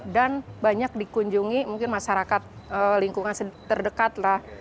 dan banyak dikunjungi mungkin masyarakat lingkungan terdekat lah